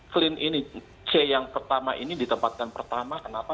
clean ini c yang pertama ini ditempatkan pertama kenapa